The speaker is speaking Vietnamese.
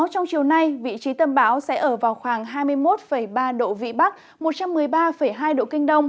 hôm chiều nay vị trí tâm báo sẽ ở vào khoảng hai mươi một ba độ vị bắc một trăm một mươi ba hai độ kinh đông